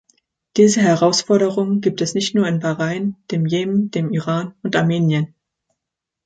Diese Herausforderungen gibt es nicht nur in Bahrain, dem Jemen, dem Iran und Armenien.